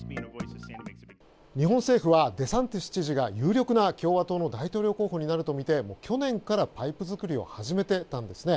日本政府はデサンティス知事が有力な共和党の大統領候補になるとみて去年からパイプ作りを始めていたんですね。